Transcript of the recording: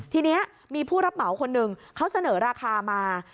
ทีนี้มีผู้รับเหมาคนหนึ่งเขาเสนอราคามา